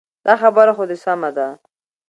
دا خبره خو دې سمه ده.